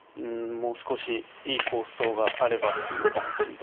もう少しいい構想があればっていう感じだったです。